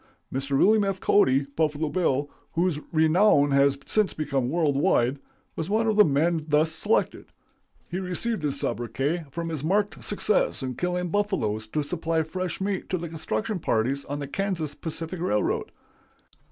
Mr. William F. Cody ('Buffalo Bill'), whose renown has since become world wide, was one of the men thus selected. He received his sobriquet from his marked success in killing buffaloes to supply fresh meat to the construction parties on the Kansas Pacific Railway.